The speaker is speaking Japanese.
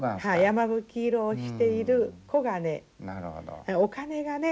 山吹色をしている黄金お金がね